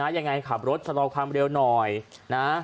ยังไงขับรถชะลอความเร็วหน่อยนะ